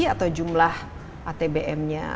atau jumlah atbmnya